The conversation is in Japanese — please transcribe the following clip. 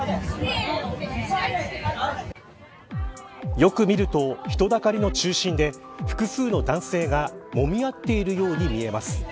よく見ると、人だかりの中心で複数の男性がもみ合っているように見えます。